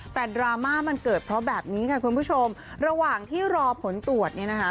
แต่ดราม่ามันเกิดเพราะแบบนี้ค่ะคุณผู้ชมระหว่างที่รอผลตรวจเนี่ยนะคะ